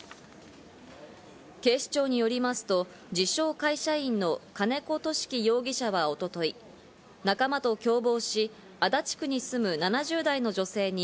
警視庁によりますと自称会社員の金子知月容疑者は一昨日、仲間と共謀し、足立区に住む７０代の女性に